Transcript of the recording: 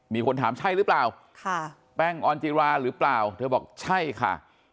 มีคนถามใช่หรือเปล่าค่ะแป้งออนจิราหรือเปล่าเธอบอกใช่ค่ะ